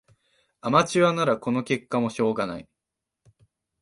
アマチュアならこの結果もしょうがない